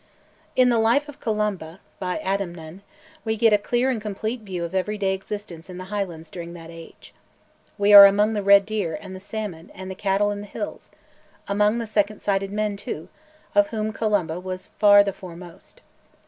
In the 'Life of Columba,' by Adamnan, we get a clear and complete view of everyday existence in the Highlands during that age. We are among the red deer, and the salmon, and the cattle in the hills, among the second sighted men, too, of whom Columba was far the foremost.